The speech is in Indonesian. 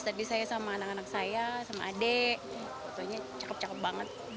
tadi saya sama anak anak saya sama adik fotonya cakep cakep banget